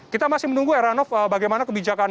kita masih menunggu heranov bagaimana kebijakan